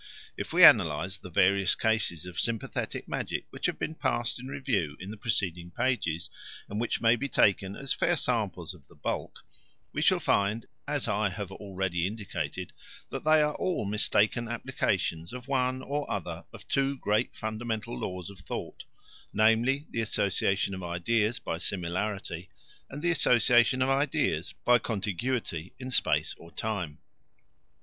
If we analyse the various cases of sympathetic magic which have been passed in review in the preceding pages, and which may be taken as fair samples of the bulk, we shall find, as I have already indicated, that they are all mistaken applications of one or other of two great fundamental laws of thought, namely, the association of ideas by similarity and the association of ideas by contiguity in space or time.